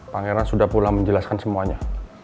pangeran sudah pula menjelaskan semuanya